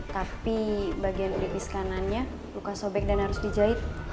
tapi bagian ripis kanannya luka sobek dan harus dijahit